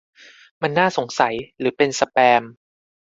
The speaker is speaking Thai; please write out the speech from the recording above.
มันน่าสงสัยหรือเป็นสแปม